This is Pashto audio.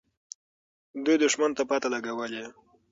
دوی دښمن ته پته لګولې.